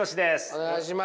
お願いします。